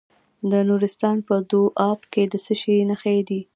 د نورستان په دو اب کې د څه شي نښې دي؟